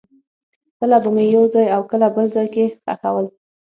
کله به مې یو ځای او کله بل ځای کې خښول.